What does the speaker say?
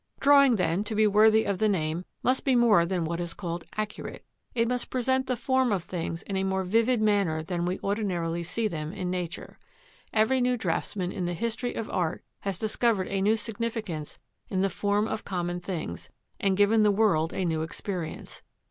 Drawing, then, to be worthy of the name, must be more than what is called accurate. It must present the form of things in a more vivid manner than we ordinarily see them in nature. Every new draughtsman in the history of art has discovered a new significance in the form of common things, and given the world a new experience.